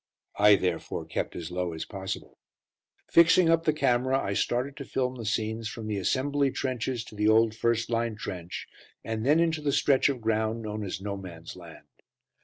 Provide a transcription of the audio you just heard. I therefore kept as low as possible. Fixing up the camera, I started to film the scenes from the assembly trenches to the old first line trench, and then into the stretch of ground known as "No Man's Land."